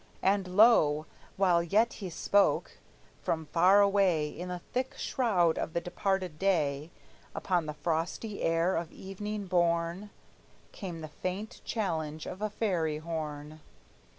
And lo! while yet he spoke, from far away In the thick shroud of the departed day, Upon the frosty air of evening borne, Came the faint challenge of a fairy horn!